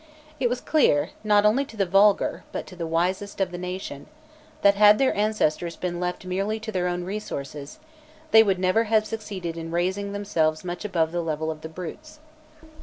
It was clear, not only to the vulgar, but to the wisest of the nation, that, had their ancestors been left merely to their own resources, they would never have succeeded in raising themselves much above the level of the brutes.